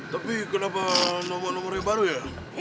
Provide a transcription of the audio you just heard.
tapi kenapa nomor nomornya baru ya